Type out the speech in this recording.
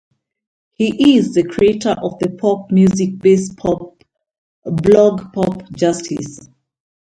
He is the creator of the pop music-based blog Popjustice.